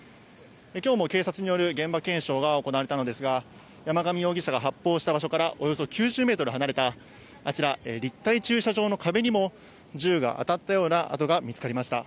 きょうも警察による現場検証が行われたのですが、山上容疑者が発砲した場所からおよそ９０メートル離れたあちら、立体駐車場の壁にも銃が当たったような痕が見つかりました。